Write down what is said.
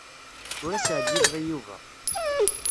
Ur as-ɛjibeɣ i Yuba.